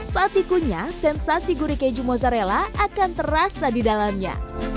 saat tikunyah sensasi guri keju mozzarella akan terasa di dalamnya